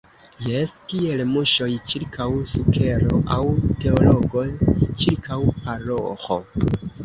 Jes, kiel muŝoj ĉirkaŭ sukero aŭ teologo ĉirkaŭ paroĥo!